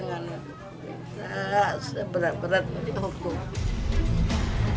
minta seberat berat ya allah